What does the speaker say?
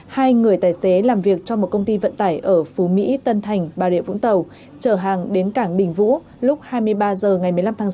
hai người tài xế làm việc trong một công ty vận tải ở phú mỹ tân thành bà rịa vũng tàu chở hàng đến cảng đình vũ lúc hai mươi ba h ngày một mươi năm tháng sáu